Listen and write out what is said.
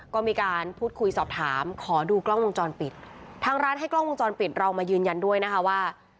ก็มีการพูดคุยสอบถามขอดูกล้องวงจรปิดทางร้านให้กล้องวงจรปิดเรามายืนยันด้วยนะคะว่า